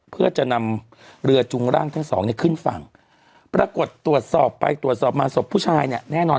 เพื่อจะนำเรือจุงร่างทั้งสองเนี่ยขึ้นฝั่งปรากฏตรวจสอบไปตรวจสอบมาศพผู้ชายเนี่ยแน่นอน